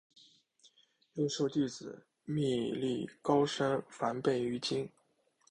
又授弟子觅历高声梵呗于今。